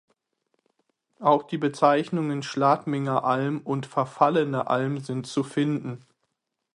Auch die Bezeichnungen Schladminger Alm und Verfallene Alm sind zu finden.